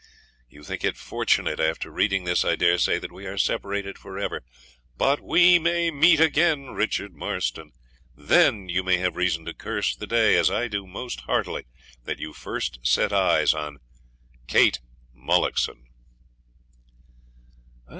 You think it fortunate after reading this, I daresay, that we are separated for ever, BUT WE MAY MEET AGAIN, Richard Marston. THEN you may have reason to curse the day, as I do most heartily, when you first set eyes on KATE MULLOCKSON.